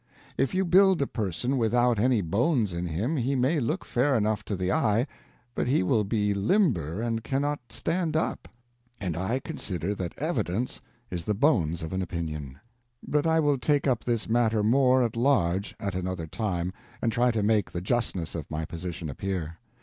If you build a person without any bones in him he may look fair enough to the eye, but he will be limber and cannot stand up; and I consider that evidence is the bones of an opinion. But I will take up this matter more at large at another time, and try to make the justness of my position appear.